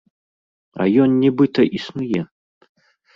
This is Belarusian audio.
А ён нібыта існуе!